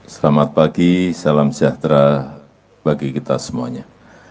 selamat pagi salam sejahtera bagi kita semuanya